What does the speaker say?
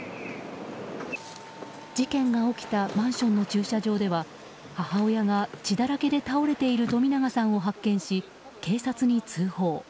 事件が起きたマンションの駐車場では母親が、血だらけで倒れている冨永さんを発見し警察に通報。